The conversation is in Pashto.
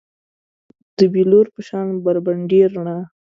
د بیلور په شان بربنډې رڼا